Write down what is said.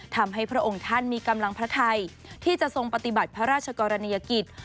พระองค์ท่านมีกำลังพระไทยที่จะทรงปฏิบัติพระราชกรณียกิจ